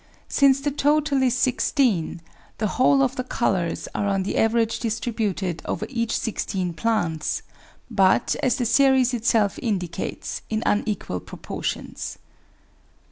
Since the total is sixteen, the whole of the colours are on the average distributed over each sixteen plants, but, as the series itself indicates, in unequal proportions.